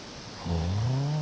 うん。